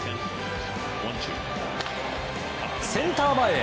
センター前へ。